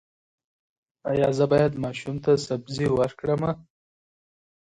ایا زه باید ماشوم ته سبزي ورکړم؟